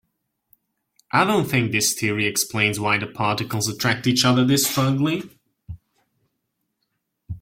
I don't think this theory explains why the particles attract each other this strongly.